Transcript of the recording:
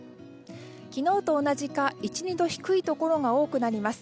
昨日と同じか１２度低いところが多くなります。